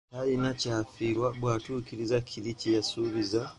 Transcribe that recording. Talina kyafiirwa bw’atuukiriza kiri kye’yasuubiza.